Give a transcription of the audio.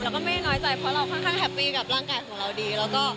ก็ไม่น้อยใจเพราะเราค่อนข้างแฮปปี้กับร่างกายของเราดีแล้วก็